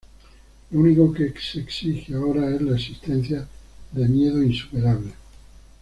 Lo único que se exige ahora es la existencia de miedo insuperable.